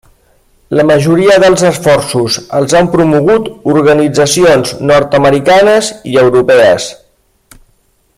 La majoria dels esforços els han promogut organitzacions nord-americanes i europees.